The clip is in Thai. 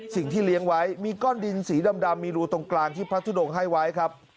สิ่งที่เลี้ยงไว้มีก้อนดินสีดำมีรูตรงกลางที่พระทุดงให้ไว้ครับ